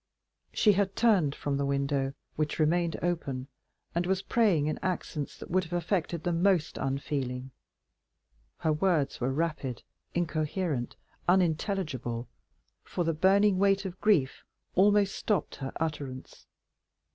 She had turned from the window, which remained open, and was praying in accents that would have affected the most unfeeling; her words were rapid, incoherent, unintelligible, for the burning weight of grief almost stopped her utterance.